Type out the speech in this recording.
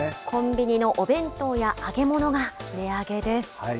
コンビニのお弁当や揚げ物が値上げです。